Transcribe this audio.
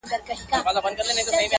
دا زوی مړې بله ورځ به کله وي -